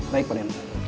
baik pak den